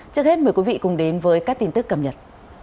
trước hết mời quý vị cùng đến với các tin tức cập nhật